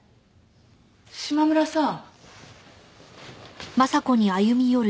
島村さん？